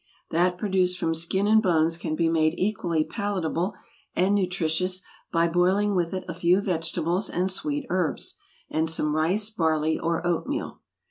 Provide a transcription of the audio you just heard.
That produced from skin and bones can be made equally palatable and nutritious by boiling with it a few vegetables and sweet herbs, and some rice, barley, or oatmeal.